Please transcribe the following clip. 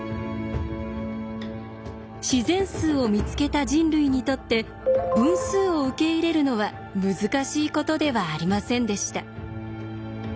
自然数を見つけた人類にとって分数を受け入れるのは難しいことではありませんでした。